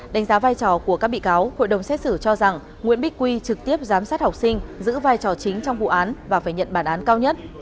đánh giá vai trò của các bị cáo hội đồng xét xử cho rằng nguyễn bích quy trực tiếp giám sát học sinh giữ vai trò chính trong vụ án và phải nhận bản án cao nhất